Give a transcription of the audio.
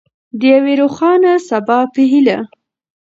د یوې روښانه سبا په هیله.